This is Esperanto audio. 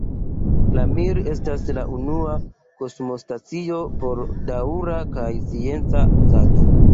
La Mir estis la unua kosmostacio por daŭra kaj scienca uzado.